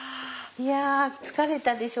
いや疲れたでしょう。